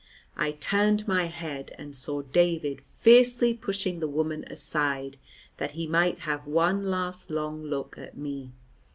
I turned my head, and saw David fiercely pushing the woman aside, that he might have one last long look at me.